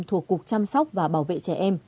thuộc cục chăm sóc và bảo vệ trẻ em